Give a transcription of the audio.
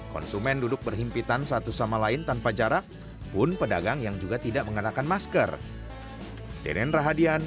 konsumen duduk berhimpitan satu sama lain tanpa jarak pun pedagang yang juga tidak mengenakan masker